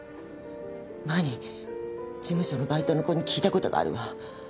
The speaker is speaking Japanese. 前に事務所のバイトの子に聞いた事があるわ。